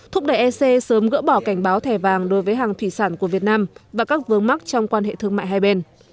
thúc đẩy ec sớm gỡ bỏ cảnh báo thẻ vàng đối với hàng thủy sản của việt nam và các vướng mắc trong quan hệ thương mại hai bên